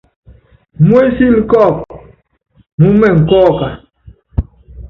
Mú ensíl kɔ́ɔk mú imɛŋ kɔ́ɔka ?